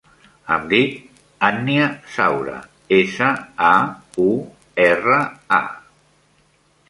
Em dic Ànnia Saura: essa, a, u, erra, a.